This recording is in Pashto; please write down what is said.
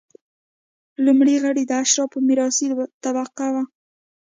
لومړي غړي د اشرافو میراثي طبقه وه.